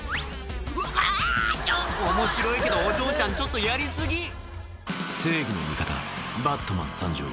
面白いけどお嬢ちゃんちょっとやり過ぎ「正義の味方バットマン参上」